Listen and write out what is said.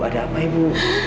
ada apa ibu